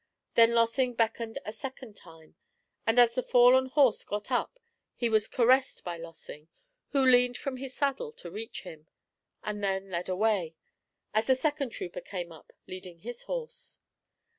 Then Lossing beckoned a second time, and as the fallen horse got up he was caressed by Lossing, who leaned from his saddle to reach him, and then led away, as the second trooper came up leading his horse.